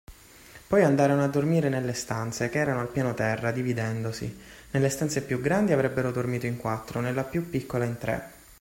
Poi andarono a dormire nelle stanze, che erano al piano terra, dividendosi: nelle stanze più grandi avrebbero dormito in quattro, nella più piccola in tre.